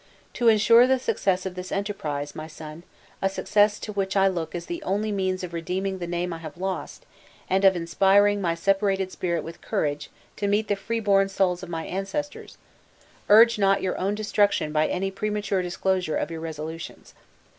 To insure the success of this enterprise, my son a success to which I look as to the only means of redeeming the name I have lost, and of inspiring my separated spirit with courage to meet the freeborn souls of my ancestors urge not your own destruction by any premature disclosure of your resolutions.